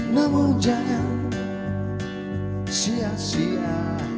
namun jangan sia sia